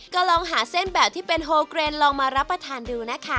ก็ลองหาเส้นแบบที่เป็นโฮเกรนลองมารับประทานดูนะคะ